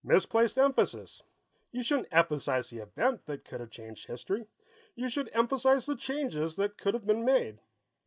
"Misplaced emphasis. You shouldn't emphasize the event that could have changed history; you should emphasize the changes that could have been made.